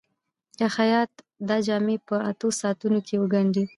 که خیاط دا جامې په اتو ساعتونو کې وګنډي.